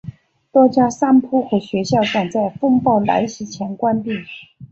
多家商铺和学校赶在风暴来袭前关闭。